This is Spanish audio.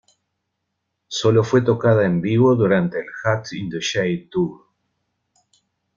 Solo fue tocada en vivo durante el Hot in the Shade Tour.